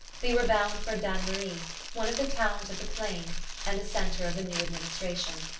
We were bound for Dannemarie, one of the towns of the plain, and a centre of the new administration.